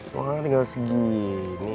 wah tinggal segini